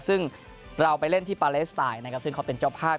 ซึ่งเราไปเล่นที่ปาเลสไตล์นะครับซึ่งเขาเป็นเจ้าภาพ